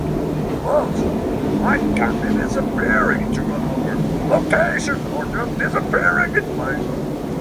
Thus, flight can be disappearing to another location or just disappearing in place.